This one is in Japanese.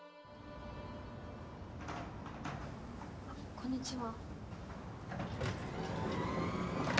こんにちは。